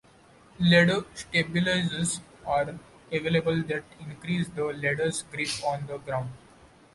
Ladder stabilizers are available that increase the ladder's grip on the ground.